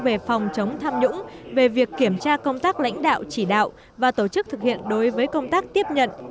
về phòng chống tham nhũng về việc kiểm tra công tác lãnh đạo chỉ đạo và tổ chức thực hiện đối với công tác tiếp nhận